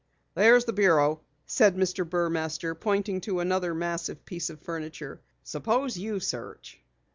"There's the bureau," said Mr. Burmaster, pointing to another massive piece of furniture. "Suppose you search."